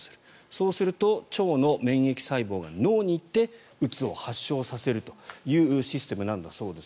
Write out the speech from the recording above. そうすると腸の免疫細胞が脳に行ってうつを発症させるというシステムなんだそうです。